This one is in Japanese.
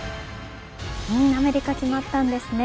アメリカ決まったんですね。